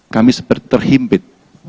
kami seperti terhimpit